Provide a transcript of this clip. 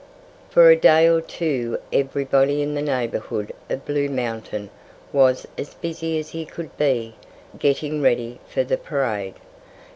For a day or two everybody in the neighborhood of Blue Mountain was as busy as he could be, getting ready for the parade.